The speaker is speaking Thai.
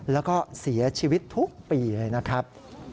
แล้วก็เสียชีวิตทุกปีเลยนะครับ